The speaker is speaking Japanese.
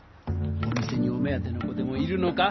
お店にお目当ての子でもいるのか？